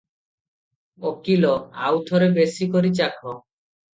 ଉକୀଲ - ଆଉ ଥରେ ବେଶି କରି ଚାଖ ।